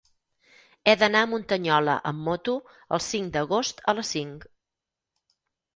He d'anar a Muntanyola amb moto el cinc d'agost a les cinc.